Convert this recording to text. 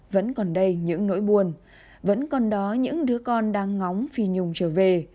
vẫn còn đây những nỗi buồn vẫn còn đó những đứa con đang ngóng phi nhung trở về